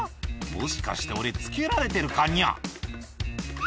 もしかして俺つけられてるかニャ？」